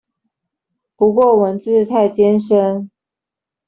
不過文字太艱深